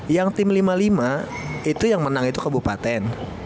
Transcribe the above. yang tim lima puluh lima itu yang menang itu kabupaten